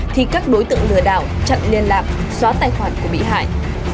thì các đối tượng lừa đảo chặn liên lạc xóa tài khoản của bị hại